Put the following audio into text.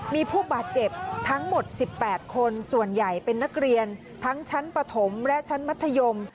มีผู้บาดเจ็บทั้งหมด๑๘คนส่วนใหญ่เป็นนักเรียนทั้งชั้นปฐมและชั้นมัธยม